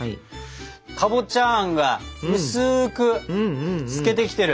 かぼちゃあんが薄く透けてきてる。